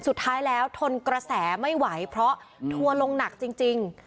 สุดท้ายแล้วทนกระแสไม่ไหวเพราะทัวร์ลงหนักจริง